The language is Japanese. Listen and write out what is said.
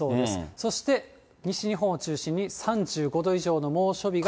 そして西日本を中心に３５度以上の猛暑日が。